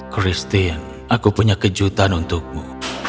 christine aku punya kejutan untukmu